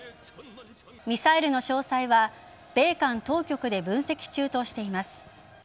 ミサイルの詳細は米韓当局で分析中としています。